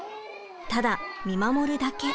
ただ見守るだけ。